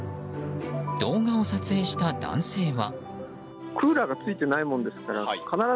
動画を撮影した男性は。